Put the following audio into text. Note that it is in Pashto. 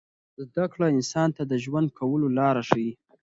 زده کړه انسان ته د ژوند کولو لار ښیي.